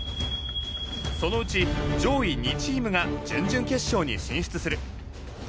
そのうち上位２チームが準々決勝に進出する。